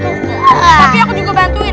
tapi aku juga bantuin